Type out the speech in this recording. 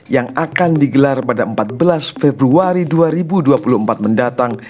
yang akan digelar pada empat belas februari dua ribu dua puluh empat mendatang